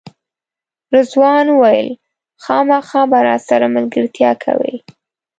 رضوان وویل خامخا به راسره ملګرتیا کوئ.